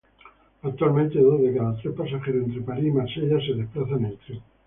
Actualmente dos de cada tres pasajeros entre París y Marsella se desplazan en tren.